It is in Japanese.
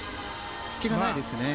隙がないですね。